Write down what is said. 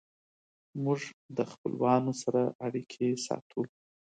موږ د خپلوانو سره اړیکې ساتو.